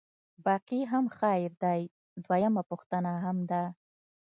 باقي هم خیر دی، دویمه پوښتنه هم ده.